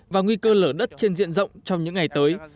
và nguy cơ lở đất trên diện rộng trong những ngày tới